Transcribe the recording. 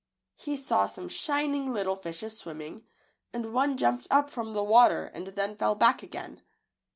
He saw some shin ing little fishes swimming, and one jumped up FLOWER FAIRIES. 85 from the water and then fell back again.